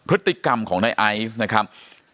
ริติกรรมของไอศ์นะครับ